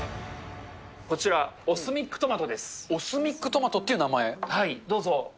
こちら、オスミックトマトっていう名どうぞ。